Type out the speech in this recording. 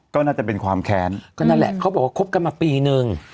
ก็น่าจะเป็นความแค้นก็นั่นแหละเขาบอกว่าคบกันมาปีนึง